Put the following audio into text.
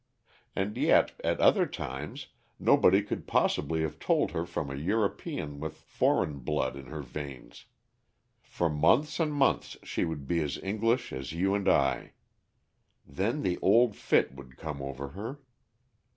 And yet, at other times, nobody could possibly have told her from a European with foreign blood in her veins. For months and months she would be as English as you and I. Then the old fit would come over her.